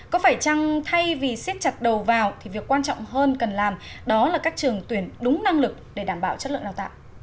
có phải chăng thay vì siết chặt đầu vào thì việc quan trọng hơn cần làm đó là các trường tuyển đúng năng lực để đảm bảo chất lượng đào tạo